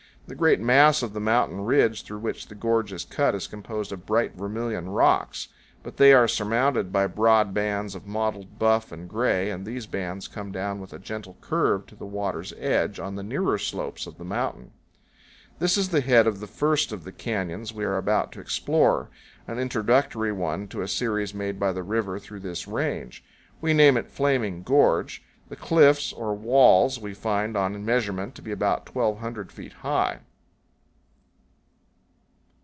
The great mass of the powell canyons 86.jpg OUR INDIAN GUIDE. mountain ridge through which the gorge is cut is composed of bright vermilion rocks; but they are surmounted by broad bands of mottled buff and gray, and these bands come down with a gentle curve to the water's edge on the nearer slope of the mountain. This is the head of the first of the canyons we are about to explore an introductory one to a series made by the river through this FROM GREEN RIVER CITY TO FLAMING GORGE. 129 range. We name it Flaming Gorge. The cliffs, or walls, we find on measurement to be about 1,200 feet high.